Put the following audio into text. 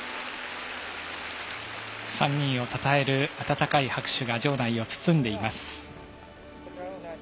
３人をたたえる温かい拍手が場内を包んでいます。